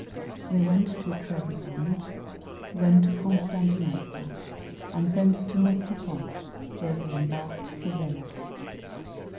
They went to Trebizond, then to Constantinople, and thence to Negropont, where they embarked for Venice.